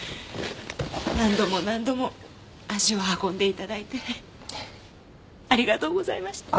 何度も何度も足を運んでいただいてありがとうございました。